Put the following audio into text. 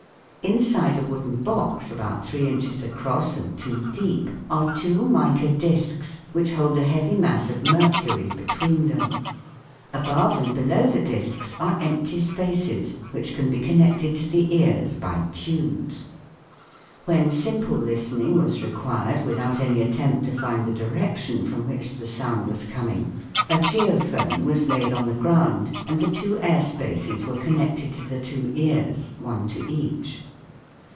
Inside a wooden box, about three inches across and two deep, are two mica discs which hold a heavy mass of mercury between them ; above and below the discs are empty spaces which can be connected to the ears by tubes. When simple listening was required, without any attempt to find the direction from which the sound was coming, a geophone was laid on the ground and the two air spaces were connected to the two ears, one to each.